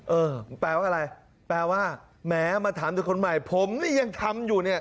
เออแปลว่าอะไรแปลว่าแม้มาถามแต่คนใหม่ผมนี่ยังทำอยู่เนี่ย